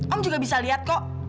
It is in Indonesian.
om juga bisa lihat kok